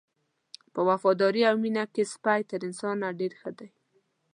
په وفادارۍ او مینه کې سپی تر انسان نه ډېر ښه دی.